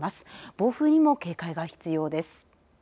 暴風にも警戒が必要です。